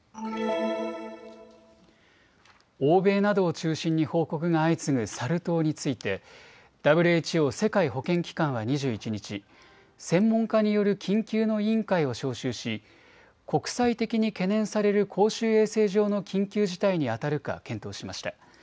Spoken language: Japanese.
欧米などを中心に報告が相次ぐサル痘についてＷＨＯ・世界保健機関は２１日、専門家による緊急の委員会を招集し、国際的に懸念される公衆衛生上の緊急事態にあたるか検討しました。